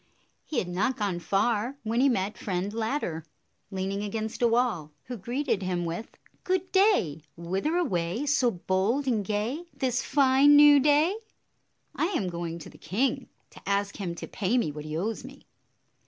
He had not gone far when he met Friend Ladder, leaning against a wall, who greeted him with, " Good day ! Whither away, So bold and gay, This fine, new day?" 9 ° "I am going to the king, to ask him to pay me what he owes me."